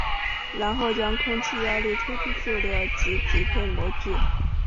然后将空气压力推出塑料以匹配模具。